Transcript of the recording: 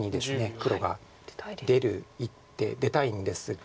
黒が出る一手出たいんですが。